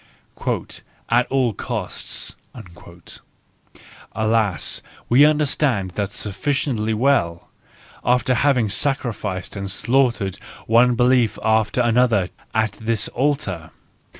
" At all costs ": alas, we understand that sufficiently well, after having sacrificed and slaughtered one belief after another at this altar!